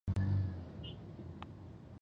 د غوا شیدې د مغذي موادو ډک دي.